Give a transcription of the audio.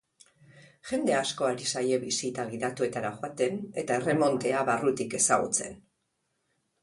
Jende asko ari zaie bisita gidatuetara joaten eta erremontea barrutik ezagutzen.